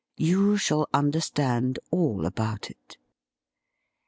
You shall understand all about it.'